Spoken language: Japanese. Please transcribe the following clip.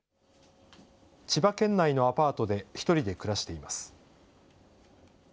千葉県内のアパートで１人で暮らしています。